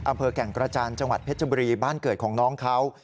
อำเภอแก่งกระจานจังหวัดเพชรบุรีบ้านเกิดของน้องเขา